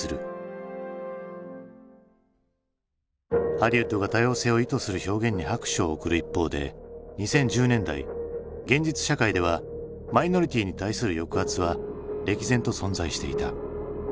ハリウッドが多様性を意図する表現に拍手を送る一方で２０１０年代現実社会ではマイノリティーに対する抑圧は歴然と存在していた。